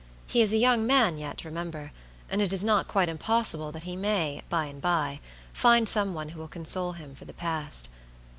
He is a young man yet, remember, and it is not quite impossible that he may, by and by, find some one who will console him for the past.